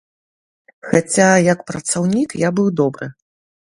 Хаця як працаўнік я быў добры.